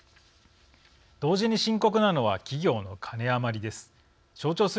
同時に深刻なのは企業のカネ余りです。